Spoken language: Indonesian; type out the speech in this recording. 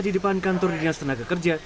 di depan kantor dinas tenaga kerja